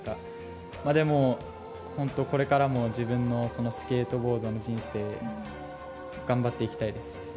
でもこれからも自分のスケートボード人生頑張っていきたいです。